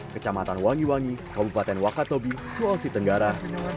kecamatan wangi wangi kabupaten wakatobi sulawesi tenggara